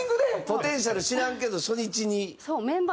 ポテンシャル知らんけど初日に？